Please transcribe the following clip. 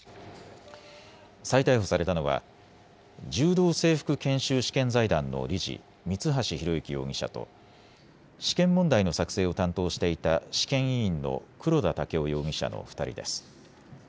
再逮捕されたのは柔道整復研修試験財団の理事、三橋裕之容疑者と試験問題の作成を担当していた試験委員の黒田剛生容疑者の２人です。